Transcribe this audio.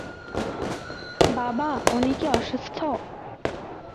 বাবা, উনি কি অসুস্থ?